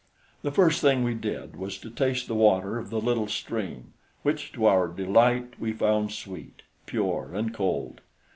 The first thing we did was to taste the water of the little stream which, to our delight, we found sweet, pure and cold.